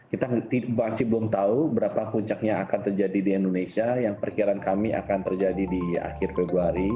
kita masih belum tahu berapa puncaknya akan terjadi di indonesia yang perkiraan kami akan terjadi di akhir februari